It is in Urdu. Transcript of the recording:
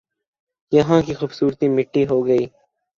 یہاں کی خوبصورتی مٹی ہو گئی